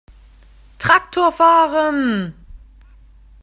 Traktor fahren!